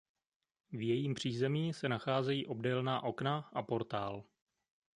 V jejím přízemí se nacházejí obdélná okna a portál.